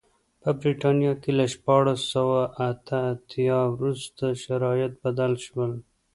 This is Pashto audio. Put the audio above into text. په برېټانیا کې له شپاړس سوه اته اتیا وروسته شرایط بدل شول.